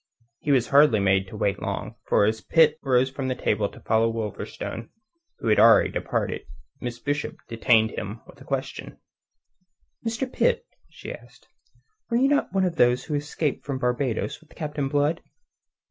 He was hardly made to wait so long, for as Pitt rose from table to follow Wolverstone, who had already departed, Miss Bishop detained him with a question: "Mr. Pitt," she asked, "were you not one of those who escaped from Barbados with Captain Blood?"